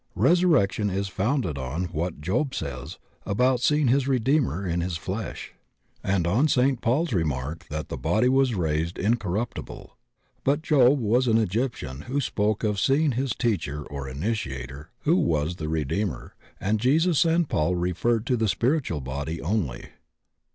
Resurrection is founded on what Job says about seeing his redeemer in his flesh, and 66 THE OCEAN OF THEOSOPHY on St. Paul's remark that the body was raised incor ruptible. But Job was an Egyptian who spoke of see ing his teacher or initiator, who was the redeemer, and Jesus and Paul referred to the spiritual body only.